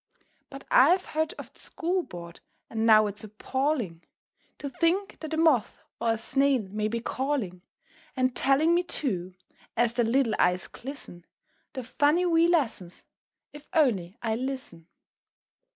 But I've heard of the School Board, and now it's appalling To think that a Moth or a Snail may be calling And telling me too, as their little eyes glisten, Their funny wee lessons, if only I'll listen.